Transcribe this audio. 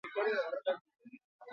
Zenbat falta da taldeak bateratzeko?